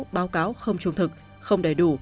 báo cáo không trung thực không đầy đủ